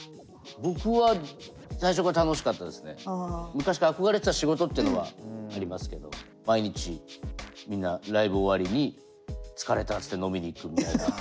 昔から憧れてた仕事っていうのはありますけど毎日みんなライブ終わりに「疲れた」っつって飲みに行くみたいな。